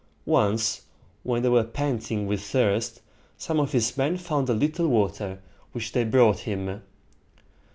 Once, when they were panting with thirst, some of his men found a little water, which they brought him.